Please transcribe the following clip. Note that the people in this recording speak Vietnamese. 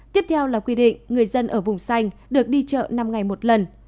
tiếp theo là quy định người dân ở vùng xanh được đi chợ năm ngày một lần